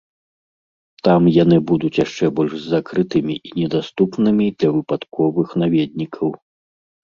Там яны будуць яшчэ больш закрытымі і недаступнымі для выпадковых наведнікаў.